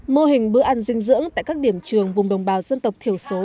mô hình bữa ăn dinh dưỡng tại các điểm trường vùng đồng bào dân tộc thiểu số